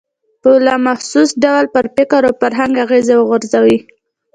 په لا محسوس ډول پر فکر او فرهنګ اغېز وغورځوي.